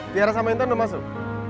tiara sama inton udah masuk